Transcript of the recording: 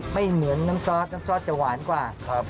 ไม่เหมือนน้ำซอสน้ำซอสจะหวานกว่า